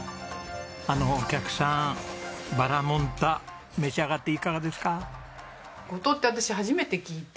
あのお客さんバラモン太召し上がっていかがですか？